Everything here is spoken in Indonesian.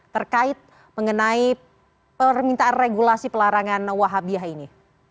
terkait mengenai permintaan regulasi pelarangan wahabiah ini